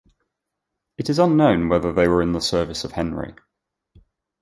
It is unknown whether they were in the service of Henry.